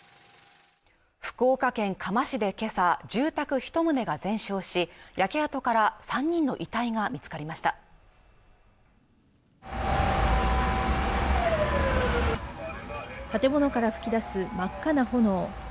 福岡県嘉麻市で今朝住宅一棟が全焼し焼け跡から３人の遺体が見つかりました建物から噴き出す真っ赤な炎